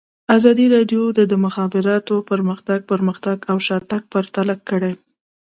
ازادي راډیو د د مخابراتو پرمختګ پرمختګ او شاتګ پرتله کړی.